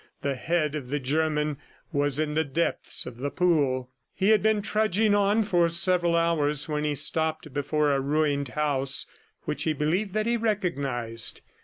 The head of the German was in the depths of the pool. He had been trudging on for several hours when he stopped before a ruined house which he believed that he recognized.